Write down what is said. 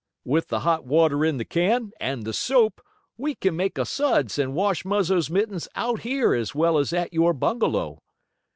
"With the hot water in the can, and the soap, we can make a suds, and wash Muzzo's mittens out here as well as at your bungalow."